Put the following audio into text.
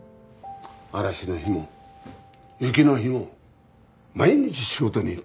嵐の日も雪の日も毎日仕事に行って。